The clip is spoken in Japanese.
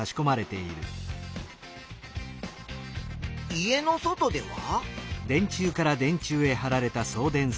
家の外では？